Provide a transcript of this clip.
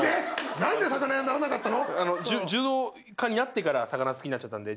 何で魚屋ならなかったの？